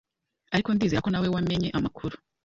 Ariko ndizera ko nawe wamenye amakuru.